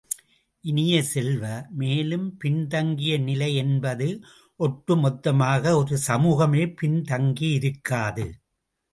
இனிய செல்வ, மேலும் பின்தங்கிய நிலை என்பது ஒட்டு மொத்தமாக ஒரு சமூகமே பின் தங்கியிருக்காது.